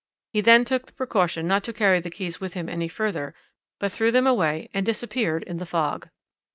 He then took the precaution not to carry the keys with him any further, but threw them away and disappeared in the fog.